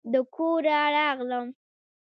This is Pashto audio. د کوره راغلم